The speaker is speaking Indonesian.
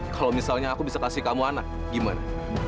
kalau misalnya aku bisa kasih kamu anak gimana